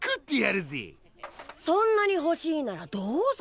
そんなにほしいならどうぞ。